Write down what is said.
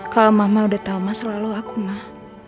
kalau mama udah tahu masalah lo aku mah